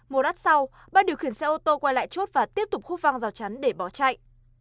một đắt sau bác điều khiển xe ô tô quay lại chốt và tiếp tục húc văng rào chắn để bỏ chạy